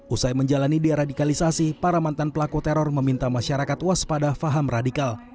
usai menjalani deradikalisasi para mantan pelaku teror meminta masyarakat waspada faham radikal